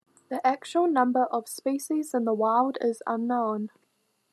The actual number of species in the wild is unknown.